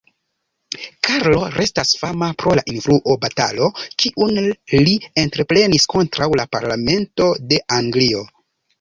Karlo restas fama pro la influo-batalo, kiun li entreprenis kontraŭ la Parlamento de Anglio.